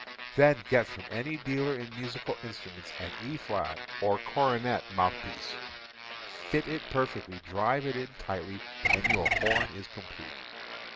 Then get from any dealer in musi cal instruments an E flat or cornet mouthpiece, fit it perfectly, drive it in tightly and your horn is complete.